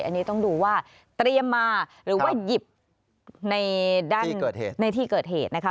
อันนี้ต้องดูว่าเตรียมมาหรือว่ายิบในที่เกิดเหตุ